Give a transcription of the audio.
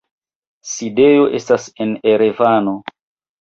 Sidejo estas en Erevano.